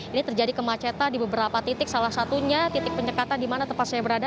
ini terjadi kemacetan di beberapa titik salah satunya titik penyekatan di mana tempat saya berada